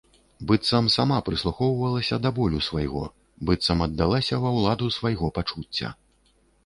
Быццам сама прыслухоўвалася да болю свайго, быццам аддалася ва ўладу свайго пачуцця.